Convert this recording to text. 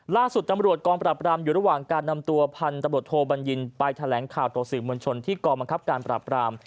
ล่าสุดตำรวจกองปราบรามอยู่ระหว่างการนำตัวพันธบทโทบัญญินไปแถลงข่าวต่อสื่อมวลชนที่กองบังคับการปราบราม